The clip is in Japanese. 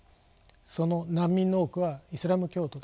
その難民の多くはイスラム教徒です。